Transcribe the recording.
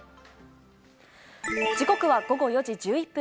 時刻は午後４時１１分。